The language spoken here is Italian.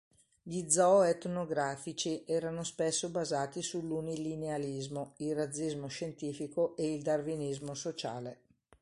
Gli zoo etnografici erano spesso basati sull'unilinealismo, il razzismo scientifico e il darwinismo sociale.